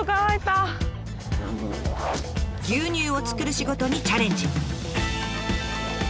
牛乳を作る仕事にチャレンジ。